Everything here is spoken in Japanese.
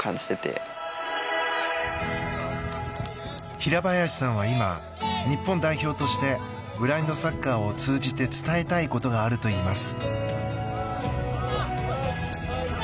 平林さんは今日本代表としてブラインドサッカーを通じて伝えたいことがあるといいます。